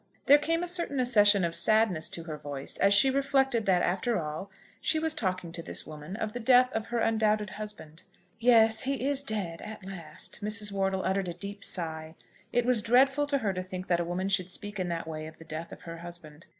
There came a certain accession of sadness to her voice, as she reflected that, after all, she was talking to this woman of the death of her undoubted husband. "Yes; he is dead at last." Mrs. Wortle uttered a deep sigh. It was dreadful to her to think that a woman should speak in that way of the death of her husband.